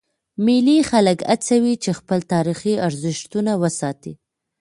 مېلې خلک هڅوي، چي خپل تاریخي ارزښتونه وساتي.